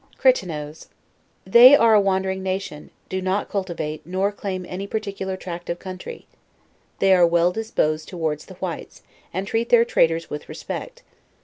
CIIRITENOES. They are a wandering nation; do not cul tivate, nor claim any particular tract of country. They are well disposed towards the whites, and treat their traders with respect.